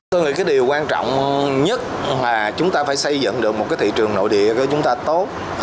tôi nghĩ cái điều quan trọng nhất là chúng ta phải xây dựng được một cái thị trường nội địa của chúng ta tốt